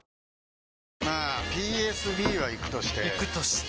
まあＰＳＢはイクとしてイクとして？